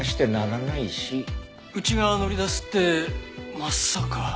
うちが乗り出すってまさか。